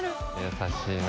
優しいな。